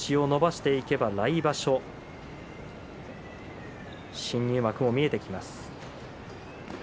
星を伸ばしていけば、来場所新入幕も見えてきます。